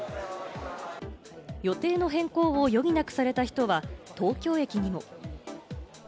予定の変更を余儀なくされた人は東京駅にも。